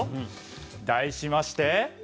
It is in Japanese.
題しまして。